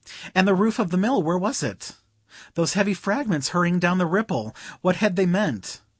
And the roof of the Mill—where was it? Those heavy fragments hurrying down the Ripple,—what had they meant?